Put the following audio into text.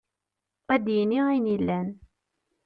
Ad d-yini ayen yellan.